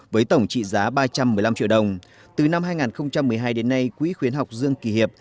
với tổng trị giá ba trăm một mươi năm triệu đồng từ năm hai nghìn một mươi hai đến nay quỹ khuyến học dương kỳ hiệp